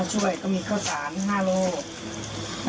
ช่วยก็มีข้าวสาร๕โลก